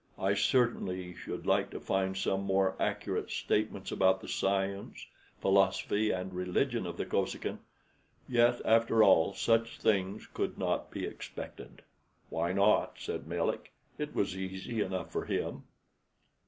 I certainly should like to find some more accurate statements about the science, philosophy, and religion of the Kosekin; yet, after all, such things could not be expected." "Why not?" said Melick; "it was easy enough for him."